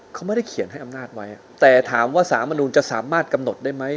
เขาไม่ได้เขียนให้อำนาจไว้แต่ถามว่าสามมนูลจะสามารถกำหนดได้ไหม